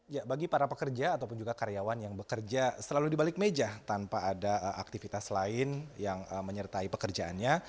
ya bagi para pekerja ataupun juga karyawan yang bekerja selalu di balik meja tanpa ada aktivitas lain yang menyertai pekerjaannya